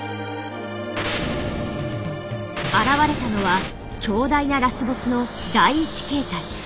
現れたのは強大なラスボスの第１形態。